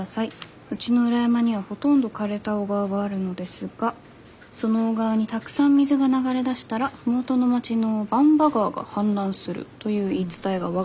うちの裏山にはほとんど枯れた小川があるのですがその小川にたくさん水が流れ出したら麓の町の番場川が氾濫するという言い伝えが我が家にはあります」。